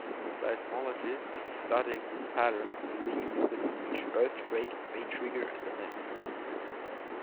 Seismologists studying this pattern believe that each earthquake may trigger the next.